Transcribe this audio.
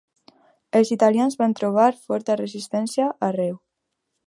Els italians van trobar forta resistència arreu.